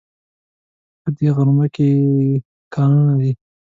په دی غره کې کانونه دي